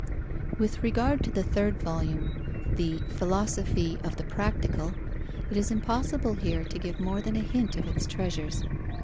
With regard to the third volume, the Philosophy of the Practical, it is impossible here to give more than a hint of its treasures.